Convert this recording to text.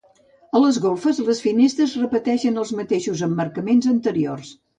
A les golfes, les finestres repeteixen els mateixos emmarcaments anteriors.